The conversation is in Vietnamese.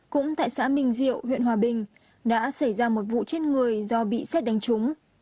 cũng tại xã minh diệu huyện hòa bình đã xảy ra một vụ chết người do bị xét đánh trúng